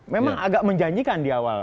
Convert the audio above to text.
memang agak menjanjikan di awal